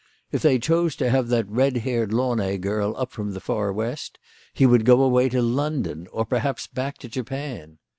If they chose to have that red haired Launay girl up from the far west, he would go away to London, or perhaps back to Japan.